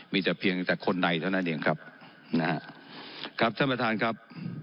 มีแต่เพียงแต่คนใดเท่านั้นเองครับนะฮะครับท่านประธานครับ